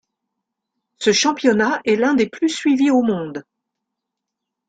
Ce championnat est l'un des plus suivis au monde.